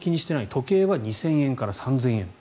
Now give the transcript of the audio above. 時計は２０００円から３０００円。